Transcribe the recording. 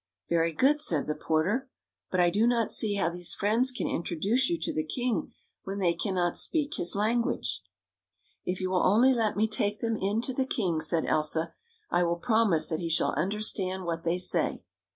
" Very good," said the porter. " But I do not see how these friends can introduce you to the king, when they can not speak his language." " If you will only let me take them in to the king," said Elsa, " I will promise that he shall understand what they say."